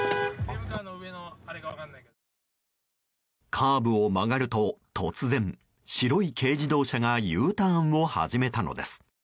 カーブを曲がると、突然白い軽自動車がＵターンを始めたのです。